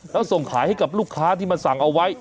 แล้วส่งขายให้กับลูกค้าที่มาสั่งเอาไว้